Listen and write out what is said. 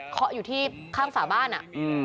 เขาอยู่ที่ข้างฝาบ้านอ่ะ